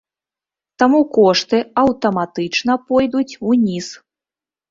Таму кошты аўтаматычна пойдуць уніз.